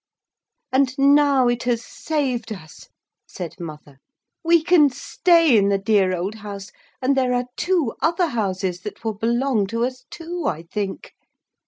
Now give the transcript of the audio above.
'And now it has saved us,' said mother. 'We can stay in the dear old house, and there are two other houses that will belong to us too, I think.